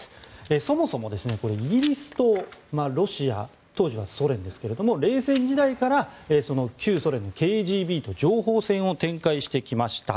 そもそも、イギリスとロシア、当時はソ連ですが冷戦時代から旧ソ連のＫＧＢと情報戦を展開してきました。